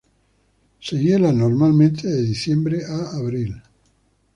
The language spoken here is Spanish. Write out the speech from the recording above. Se hiela normalmente de diciembre a abril.